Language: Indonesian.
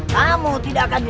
sampai jumpa lagi